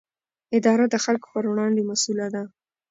اداره د خلکو پر وړاندې مسووله ده.